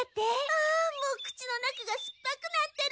あもう口の中がすっぱくなってる！